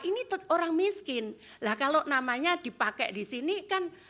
ini orang miskin lah kalau namanya dipakai di sini kan